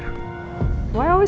kenapa selalu begini